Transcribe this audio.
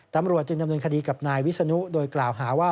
ตำรวจจึงดำเนินคดีกับนายวิศนุโดยกล่าวหาว่า